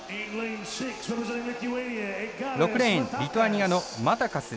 ６レーン、リトアニアのマタカス。